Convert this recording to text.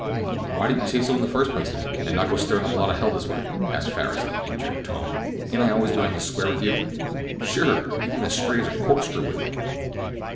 "Why didn't you say so in the first place, then, and not go stirrin' up a lot of hell this way?" asked Farris in an injured tone. "Ain't I always been on the square with you?" "Sure! You been as straight as a corkscrew with me."